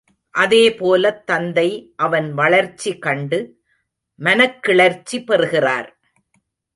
அதே போலத் தந்தை அவன் வளர்ச்சி கண்டு மனக்கிளர்ச்சி பெறுகிறார்.